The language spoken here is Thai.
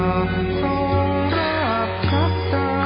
ทรงเป็นน้ำของเรา